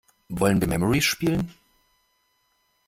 Wollen wir Memory spielen?